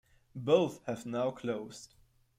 Both have now closed.